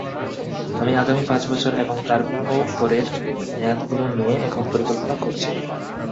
আমি আগামী পাঁচ বছর এবং তারও পরের মেয়াদগুলো নিয়ে এখন পরিকল্পনা করছি।